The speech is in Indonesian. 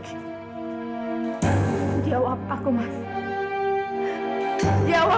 hanya ini saja mas keputusan semula